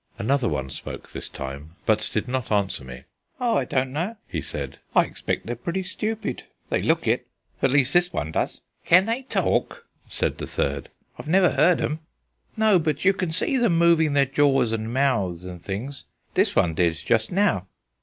Another one spoke this time, but did not answer me. "Oh, I don't know," he said, "I expect they're pretty stupid. They look it at least this one does." "Can they talk?" said the third. "I've never heard 'em." "No, but you can see them moving their jaws and mouths and things. This one did just now."